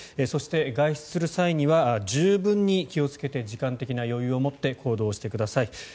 そして外出する際には十分に気をつけて時間的な余裕を持って行動してください。